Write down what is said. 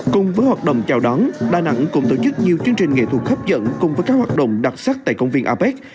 cùng với hoạt động chào đón đà nẵng cũng tổ chức nhiều chương trình nghệ thuật hấp dẫn cùng với các hoạt động đặc sắc tại công viên apec